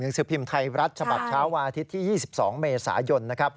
หนึ่งสิบพิมพ์ไทยรัชฉบับเช้าวันอาทิตย์ที่๒๒เมษายน